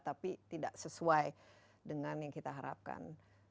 tapi tidak sesuai dengan yang kita harapkan